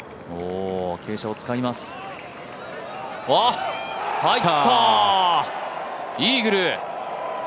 うわっ、入った、イーグル！